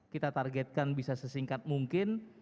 kita targetkan bisa sesingkat mungkin